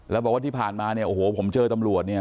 แล้วบอกว่าที่ผ่านมาเนี่ยโอ้โหผมเจอตำรวจเนี่ย